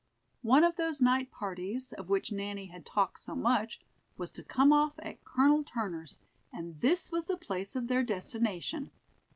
One of those night parties, of which Nanny had talked so much, was to come off at Col. Turner's, and this was the place of their destination.